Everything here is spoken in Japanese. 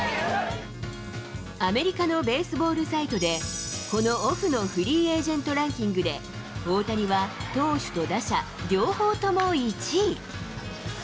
アメリカのベースボールサイトで、このオフのフリーエージェントランキングで、大谷は投手と打者両方とも１位。